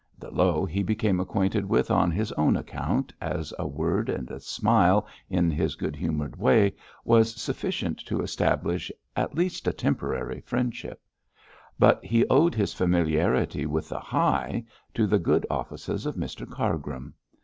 The low he became acquainted with on his own account, as a word and a smile in his good humoured way was sufficient to establish at least a temporary friendship; but he owed his familiarity with the 'high' to the good offices of Mr Cargrim.